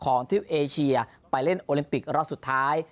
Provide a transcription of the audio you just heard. ทริปเอเชียไปเล่นโอลิมปิกรอบสุดท้าย